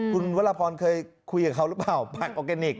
คุณวรพรเคยคุยกับเขาหรือเปล่าบัตรออร์แกนิค